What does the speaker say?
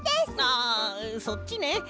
あそっちね。